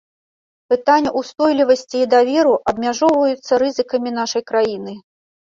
Пытанне ўстойлівасці і даверу абмяжоўваюцца рызыкамі нашай краіны.